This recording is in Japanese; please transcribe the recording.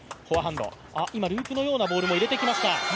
今、ループのようなボールも入れてきました。